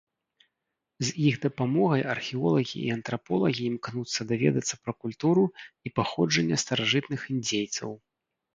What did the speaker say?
З іх дапамогай археолагі і антраполагі імкнуцца даведацца пра культуру і паходжанне старажытных індзейцаў.